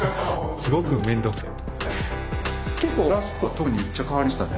すごく面倒くさくて。